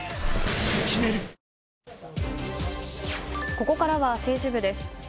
ここからは政治部です。